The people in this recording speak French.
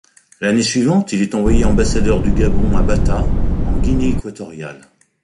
L'année suivante, il est envoyé ambassadeur du Gabon à Bata en Guinée équatoriale.